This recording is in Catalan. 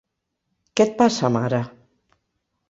¿Què et passa, mare?